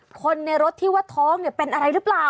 คนในรถที่ว่าท้องเนี่ยเป็นอะไรหรือเปล่า